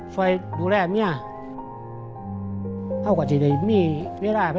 สวัสดีครับสวัสดีครับ